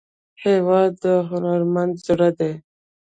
هېواد د هنرمند زړه دی.